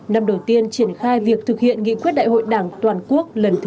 năm đầu tiên triển khai việc thực hiện nghị quyết đại hội đảng toàn quốc lần thứ một mươi